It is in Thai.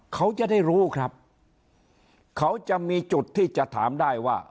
เขาจะได้รู้ครับเขาจะมีจุดที่จะถามได้ว่า